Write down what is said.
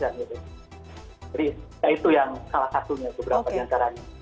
jadi itu yang salah satunya beberapa diantaranya